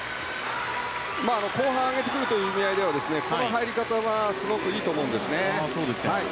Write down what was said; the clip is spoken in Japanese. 後半、上げてくるという意味合いではこの入り方はすごくいいと思うんですね。